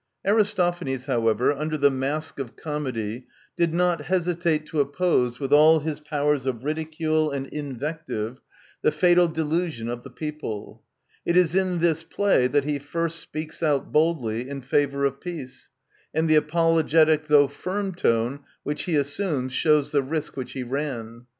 Aristophanes, however, under the mask of comedy, did not hesitate to oppose, with all his powers of ridicule and invective, the fatal delusion of the people. It is in this play that he first speaks out boldly in favour of peace, and the apologetic, though firm, tone which he assumes shows the risk which he ran.